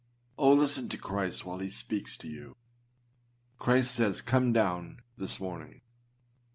Oh! listen to Christ while he speaks to you. Christ says, â Come downâ this morning.